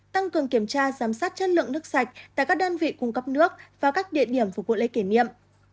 tăng cường kiểm tra giám sát chất lượng nước sạch tại các đơn vị cung cấp nước và các địa điểm phục vụ lễ kỷ niệm